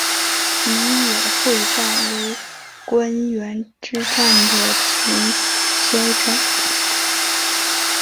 米野会战为关原之战的前哨战。